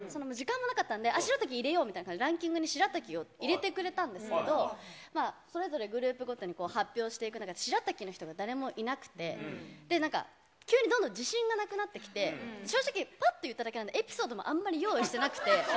みたいな感じで言ったら、時間もなかったんで、あっ、しらたき入れようみたいな感じで、ランキングにしらたきを入れてくれたんですけど、それぞれグループごとに発表していく中でしらたきの人が誰もいなくて、なんか、急にどんどん自信がなくなってきて、正直、ぱっと言っただけなんでエピソードもあんまり用意してなくて。